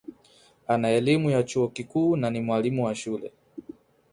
ana elimu ya chuo kikuu na ni mwalimu wa shule